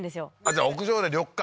じゃあ屋上で緑化？